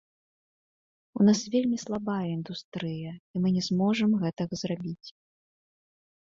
У нас вельмі слабая індустрыя, і мы не зможам гэтага зрабіць.